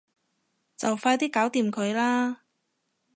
就快啲搞掂佢啦